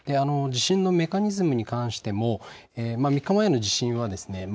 地震のメカニズムに関しても３日前の地震はですね